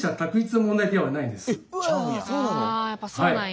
あやっぱそうなんや。